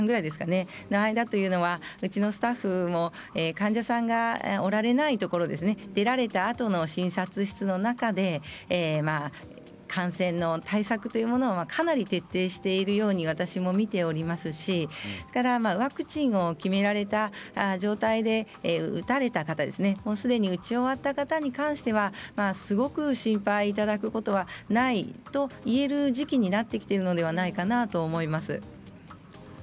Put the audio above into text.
この間というのはうちのスタッフも患者さんがおられないところ出られたあとの診察室の中で感染の対策というものをかなり徹底しているように私も見ておりますしワクチンを決められた状態で打たれた方ですねすでに打ち終わった方に関してはすごく心配いただくことはないと言える時期になってきているのではないかなと思います。